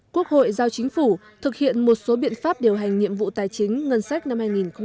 quốc hội giao chính phủ thực hiện một số biện pháp điều hành nhiệm vụ tài chính ngân sách năm hai nghìn hai mươi